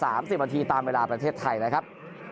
สามสิบอันทีตามเวลากกับประเทศไทยนะครับ